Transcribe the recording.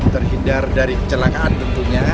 terhindar dari celakaan tentunya